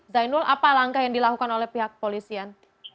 zainul apa langkah yang dilakukan oleh pihak polisian